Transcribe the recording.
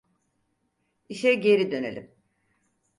İşe geri dönelim.